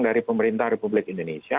dari pemerintah republik indonesia